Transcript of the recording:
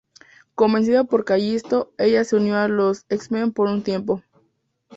Convencida por Callisto, ella se unió a los X-Men por un tiempo.